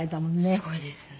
すごいですよね。